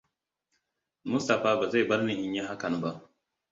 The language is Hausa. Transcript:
Mustapha ba zai bar ni in yi hakan ba.